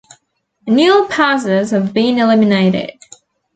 Annual passes have been eliminated.